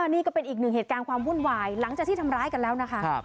นี่ก็เป็นอีกหนึ่งเหตุการณ์ความวุ่นวายหลังจากที่ทำร้ายกันแล้วนะคะ